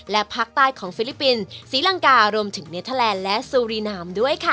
และภาคใต้ของฟิลิปปินส์ศรีลังการวมถึงเนเทอร์แลนด์และซูรีนามด้วยค่ะ